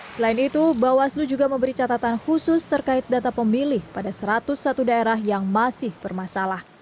selain itu bawaslu juga memberi catatan khusus terkait data pemilih pada satu ratus satu daerah yang masih bermasalah